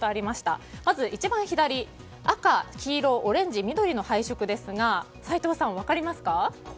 まず一番左の赤、黄色、オレンジ、緑の配色ですが齋藤さん、分かりますか？